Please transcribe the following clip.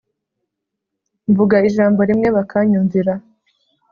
mvuga ijambo rimwe bakanyumvira